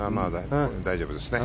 大丈夫ですね。